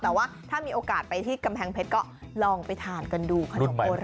แต่ว่าถ้ามีโอกาสไปที่กำแพงเพชรก็ลองไปทานกันดูขนมโบราณ